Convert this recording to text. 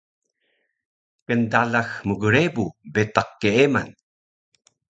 Kndalax mgrebu betaq keeman